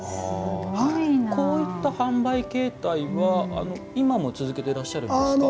こういった販売形態は今も続けてらっしゃるんですか？